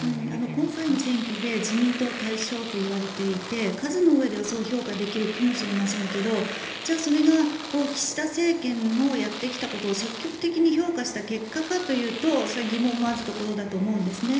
今回の選挙で自民党大勝といわれていて数のうえでは評価できるかもしれませんがじゃあそれが岸田政権のやってきたことを積極的に評価した結果かというとそれは疑問もあるところだと思うんですね。